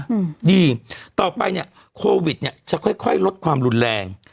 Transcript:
อืมดีต่อไปเนี้ยโควิดเนี้ยจะค่อยค่อยลดความรุนแรง